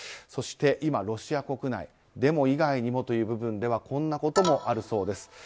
そして、今ロシア国内デモ以外にもという部分ではこんなこともあるそうです。